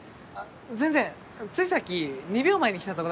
全然ついさっき２秒前に来たとこだから。